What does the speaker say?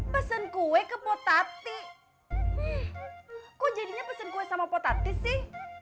pesan kue ke potatih kok jadinya pesen kue sama potati sih